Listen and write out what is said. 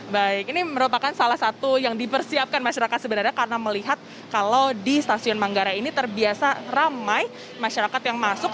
baik ini merupakan salah satu yang dipersiapkan masyarakat sebenarnya karena melihat kalau di stasiun manggarai ini terbiasa ramai masyarakat yang masuk